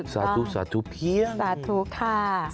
สาธุสาธุเพี้ยสาธุค่ะ